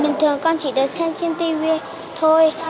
bình thường con chỉ được xem trên tv thôi